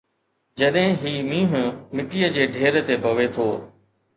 جڏهن هي مينهن مٽيءَ جي ڍير تي پوي ٿو